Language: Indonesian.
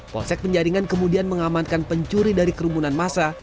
polsek penjaringan kemudian mengamankan pencuri dari kerumunan masa